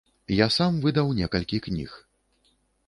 Я сам выдаў некалькі кніг.